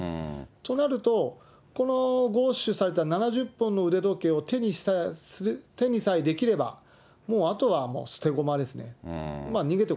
となると、この強取された７０本の腕時計を手にさえできれば、もうあとは捨て駒ですね。